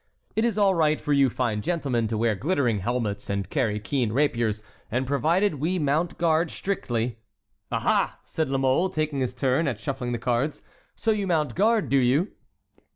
It is all right for you fine gentlemen to wear glittering helmets and carry keen rapiers, and provided we mount guard strictly"— "Aha!" said La Mole, taking his turn at shuffling the cards. "So you mount guard, do you?"